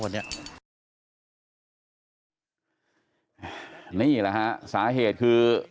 นี่แหละฮะสาเหตุคือ